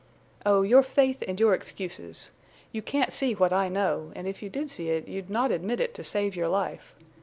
"Oh, your faith and your excuses! You can't see what I know—and if you did see it you'd not admit it to save your life.